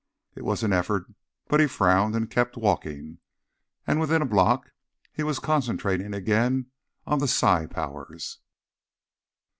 It was an effort, but he frowned and kept walking, and within a block he was concentrating again on the psi powers.